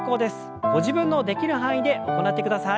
ご自分のできる範囲で行ってください。